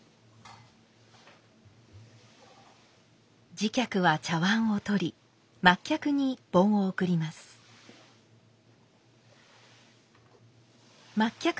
次客は茶碗を取り末客に盆を送ります。